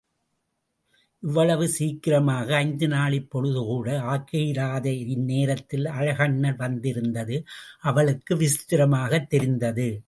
இவ்வளவு சீக்கிரமாக–ஐந்து நாழிப் பொழுது கூட ஆகியிராத இந்நேரத்தில் அழகண்ணல் வந்திருந்தது அவளுக்கு விசித்திரமாகத் தெரிந்தது.